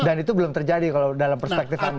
dan itu belum terjadi kalau dalam perspektif anda